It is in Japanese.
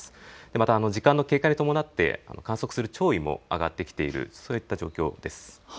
また時間の経過に伴って観測する潮位も上がってきているそういった状況です。